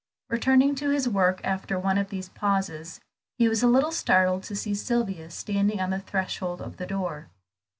Returning to his work after one of these pauses, he was a little startled to see Sylvia standing on the threshold of the door.